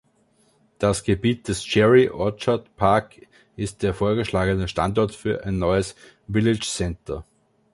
Das Gebiet des Cherry Orchard Park ist der vorgeschlagene Standort für ein neues Village Centre.